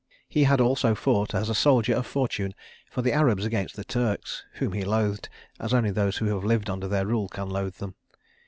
He had also fought, as a soldier of fortune, for the Arabs against the Turks, whom he loathed as only those who have lived under their rule can loathe them.